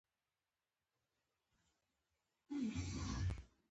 ودانیزې چارې یې سرته نه وې رسېدلې.